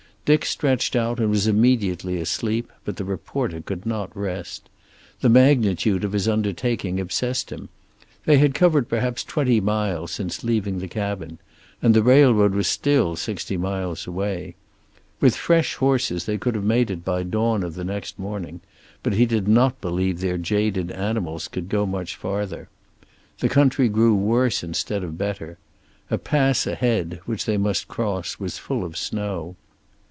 Dick stretched out and was immediately asleep, but the reporter could not rest. The magnitude of his undertaking obsessed him. They had covered perhaps twenty miles since leaving the cabin, and the railroad was still sixty miles away. With fresh horses they could have made it by dawn of the next morning, but he did not believe their jaded animals could go much farther. The country grew worse instead of better. A pass ahead, which they must cross, was full of snow.